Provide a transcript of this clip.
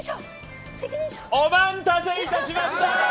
お待たせいたしました！